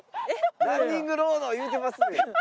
「ランニングロード」言うてますねん。